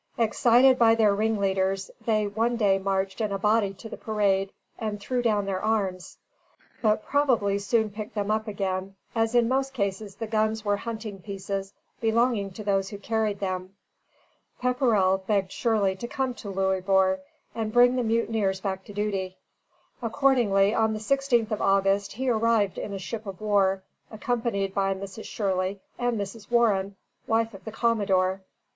Excited by their ringleaders, they one day marched in a body to the parade and threw down their arms; but probably soon picked them up again, as in most cases the guns were hunting pieces belonging to those who carried them. Pepperrell begged Shirley to come to Louisbourg and bring the mutineers back to duty. Accordingly, on the 16th of August he arrived in a ship of war, accompanied by Mrs. Shirley and Mrs. Warren, wife of the Commodore.